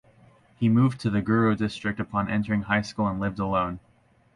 He moved to the Guro District upon entering high school and lived alone.